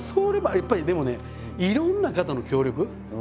やっぱりでもねいろんな方の協力。